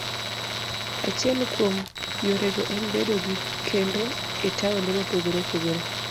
Achiel kuom yorego en bedo gi kembe e taonde mopogore opogore.